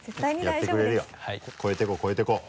超えていこう超えていこう。